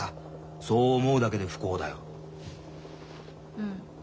うん。